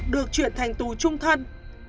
được chuyển thành tù chung thân